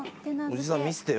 おじさん見せてよ。